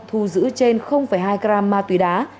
thu giữ trên hai gram ma túy đá